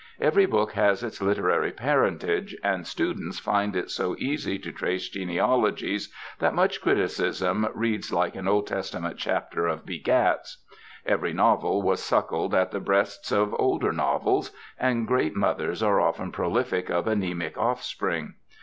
Every book has its literary parentage, and students find it so easy to trace genealogies that much criticism reads like an Old Testament chapter of "begats." Every novel was suckled at the breasts of older novels, and great mothers are often prolific of anæmic offspring.